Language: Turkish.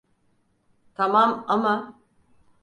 Tamam ama…